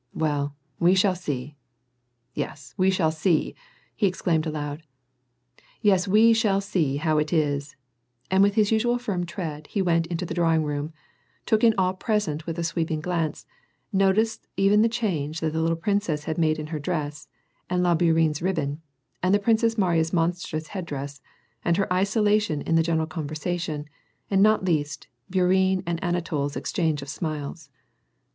Well, we shall see. Yes, we shall see !" he exclaimed aloud, " yes, we shall see how it is," and with his usual firm tread he went into the drawing room, took in all present with a sweeping glance, noticed even the change that the little princess had made in her dress, and la Bourienne's ribbon, and the Princess Mariya's monstrous headdress, and her isolation in the gen eral conversation, and not least, Bourienne and Anatol's exchange of smiles.